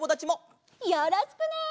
よろしくね！